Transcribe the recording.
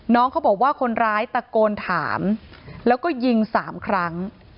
น้องเขาบอกว่าคนร้ายตะโกนถามแล้วก็ยิง๓ครั้ง